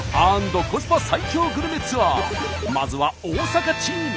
まずは大阪チーム！